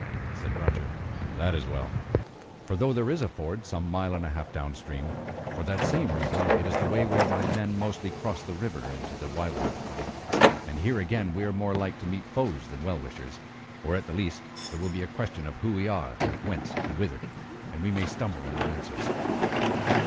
Said Roger: "That is well, for though there is a ford some mile and a half down stream, for that same reason it is the way whereby men mostly cross the water into the wildwood; and here again we are more like to meet foes than well wishers; or at the least there will be question of who we are, and whence and whither; and we may stumble in our answers."